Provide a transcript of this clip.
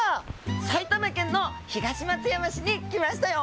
埼玉県の東松山市に来ましたよ。